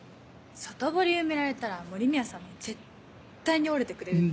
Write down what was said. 外堀埋められたら森宮さんも絶対に折れてくれる。